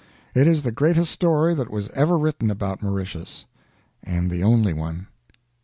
It is the greatest story that was ever written about Mauritius, and the only one."